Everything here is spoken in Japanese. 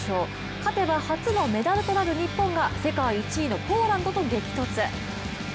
勝てば初のメダルとなる日本が世界１位のポーランドと激突。